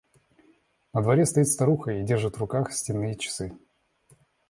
На дворе стоит старуха и держит в руках стенные часы.